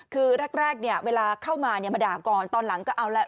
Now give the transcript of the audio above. คือแรกเนี่ยเวลาเข้ามามาด่าก่อนตอนหลังก็เอาแล้ว